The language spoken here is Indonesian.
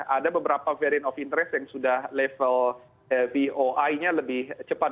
ada beberapa varian of interest yang sudah level voi nya lebih cepat